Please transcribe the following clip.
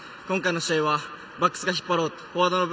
今回の試合はバックスが引っ張ろうと。